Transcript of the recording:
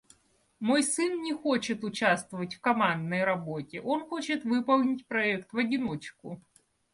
Мой сын не хочет участвовать в командной работе. Он хочет выполнить проект в одиночку.